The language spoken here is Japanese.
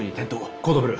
コードブルー。